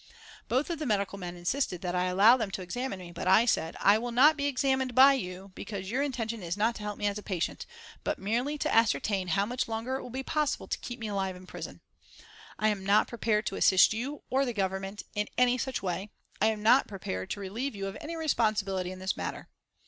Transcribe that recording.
Both of the medical men insisted that I allow them to examine me, but I said: "I will not be examined by you because your intention is not to help me as a patient, but merely to ascertain how much longer it will be possible to keep me alive in prison. I am not prepared to assist you or the Government in any such way. I am not prepared to relieve you of any responsibility in this matter."